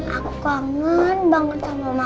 aku kangen banget sama mama